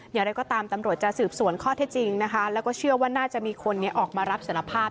อย่างไรก็ตามตำรวจจะสืบสวนข้อเท็จจริงนะคะแล้วก็เชื่อว่าน่าจะมีคนนี้ออกมารับสารภาพ